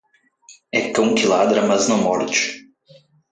É cão que ladra, mas não morde.